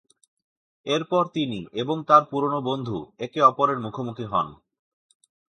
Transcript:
এরপর তিনি এবং তার পুরনো বন্ধু একে অপরের মুখোমুখি হন।